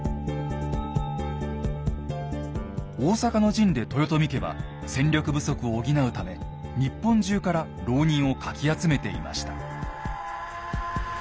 大坂の陣で豊臣家は戦力不足を補うため日本中から牢人をかき集めていました。